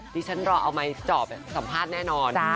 ที่ฉันรอเอาไม้จอบสัมภาษณ์แน่นอน